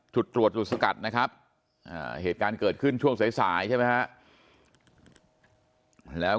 จุดตรวจจุดสกัดนะครับเหตุการณ์เกิดขึ้นช่วงสายใช่ไหมฮะแล้ว